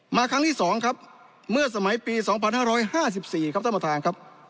ครั้งที่๒ครับเมื่อสมัยปี๒๕๕๔ครับท่านประธานครับ